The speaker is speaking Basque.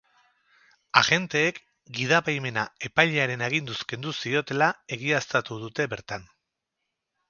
Agenteek gidabaimena epailearen aginduz kendu ziotela egiaztatu dute bertan.